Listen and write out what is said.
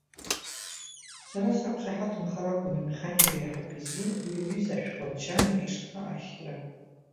Сара сақәшахаҭымхар акәын амеханик аиҳабы изы уи аҩыза ашәҟәы аначальник ишҟа ашьҭра.